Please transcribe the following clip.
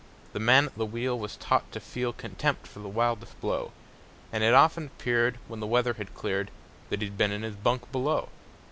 The man at the wheel was taught to feel Contempt for the wildest blow, And it often appeared, when the weather had cleared, That he'd been in his bunk below.